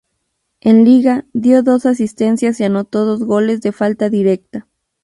En Liga dio dos asistencias y anotó dos goles de falta directa.